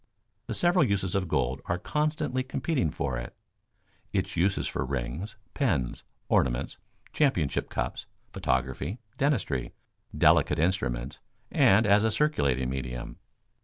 The several uses of gold are constantly competing for it: its uses for rings, pens, ornaments, championship cups, photography, dentistry, delicate instruments, and as a circulating medium.